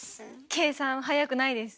計算は速くないです。